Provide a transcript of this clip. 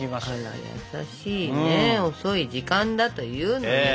あら優しいね遅い時間だというのに。